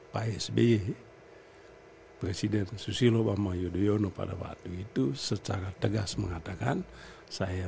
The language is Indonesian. pak sby presiden susilo bambang yudhoyono pada waktu itu secara tegas mengatakan saya